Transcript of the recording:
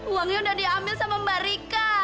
uangnya udah diambil sama mbak rika